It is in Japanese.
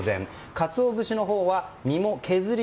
カツオ節のほうは身も削り